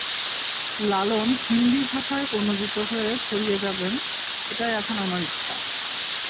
লালন হিন্দি ভাষায় অনূদিত হয়ে ছড়িয়ে যাবেন, এটাই এখন আমার ইচ্ছা।